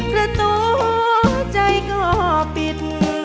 ประตูใจก็ปิด